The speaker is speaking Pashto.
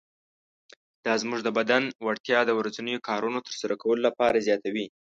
دا زموږ د بدن وړتیا د ورځنیو کارونو تر سره کولو لپاره زیاتوي.